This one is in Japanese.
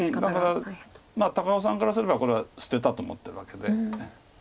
だから高尾さんからすればこれは捨てたと思ってるわけで。